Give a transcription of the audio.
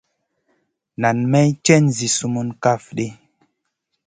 Nan may cèn zi sumun kaf ɗi.